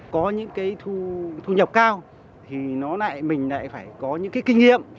có những cái thu nhập cao thì mình lại phải có những cái kinh nghiệm